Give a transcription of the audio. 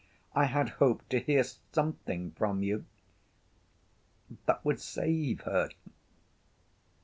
I had hoped to hear something from you ... that would save her."